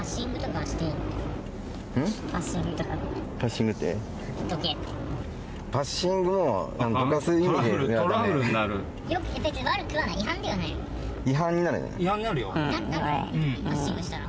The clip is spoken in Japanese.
なるのパッシングしたら？